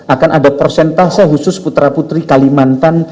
akan ada persentase khusus putra putri kalimantan